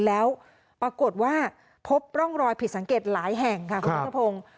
แล้วปรากฏว่าพบร่องรอยผิดสังเกตหลายแห่งครับครับครับพรง